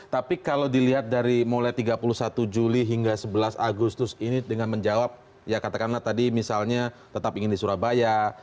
tapi kalau dilihat dari mulai tiga puluh satu juli hingga sebelas agustus ini dengan menjawab ya katakanlah tadi misalnya tetap ingin di surabaya